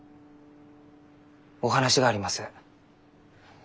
お話があります。